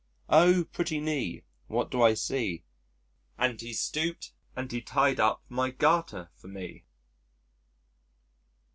"Oh! pretty knee, what do I see? And he stooped and he tied up my garter for me."